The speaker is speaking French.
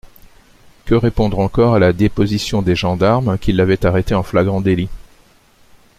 Que répondre encore à la déposition des gendarmes qui l'avaient arrêté en flagrant d'élit.